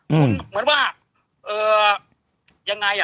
เหมือนว่าแยงไงอ่ะ